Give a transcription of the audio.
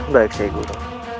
baik sheikh guru